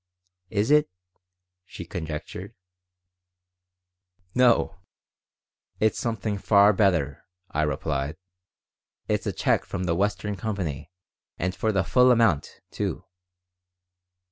Is it?" she conjectured "No. It's something far better," I replied. "It's a check from the Western company, and for the full amount, too."